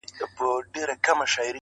• سر افسر د علم پوهي پر میدان وو -